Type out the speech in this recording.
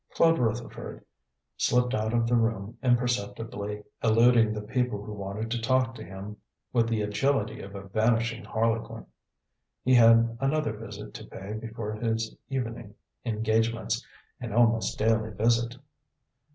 Claude Rutherford slipped out of the room imperceptibly, eluding the people who wanted to talk to him with the agility of a vanishing harlequin. He had another visit to pay before his evening engagements, an almost daily visit.